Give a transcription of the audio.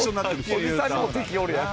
おじさんにも敵がおるやん。